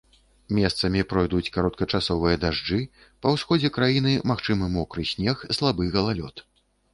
Месцамі пройдуць кароткачасовыя дажджы, па ўсходзе краіны магчымы мокры снег, слабы галалёд.